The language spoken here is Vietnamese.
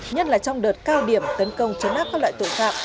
nhất là trong đợt cao điểm tấn công chấn áp các loại tội phạm